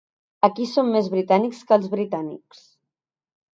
Aquí som més britànics que els britànics.